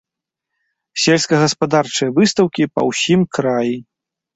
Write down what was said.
Сельскагаспадарчыя выстаўкі па ўсім краі.